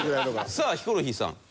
さあヒコロヒーさん。